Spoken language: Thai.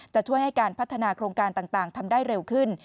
จะช่วยให้การพัฒนาโครงการต่างทำได้เร็วขึ้น